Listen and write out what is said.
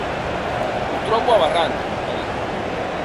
Ho trobo aberrant, ha dit.